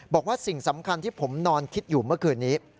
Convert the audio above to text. บอกว่าสิ่งสำคัญที่ผมนอนคิดอยู่เมื่อคืนนี้